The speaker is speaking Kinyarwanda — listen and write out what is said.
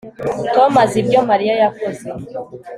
Tom azi ibyo Mariya yakoze